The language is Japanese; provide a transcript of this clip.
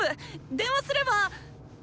電話すれば。